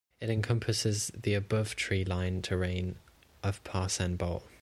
It encompasses the above-tree line terrain of Parsenn Bowl.